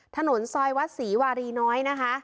ถนนซอยวัดศรีวารีน้อยนะคะ